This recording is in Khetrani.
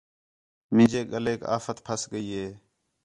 مینجے ڳلیک آفت پھس ڳئی ہِے